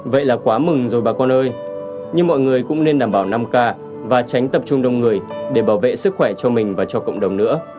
vậy là quá mừng rồi bà con ơi nhưng mọi người cũng nên đảm bảo năm k và tránh tập trung đông người để bảo vệ sức khỏe cho mình và cho cộng đồng nữa